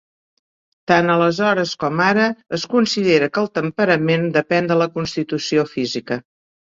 Tant aleshores com ara es considera que el temperament depèn de la constitució física.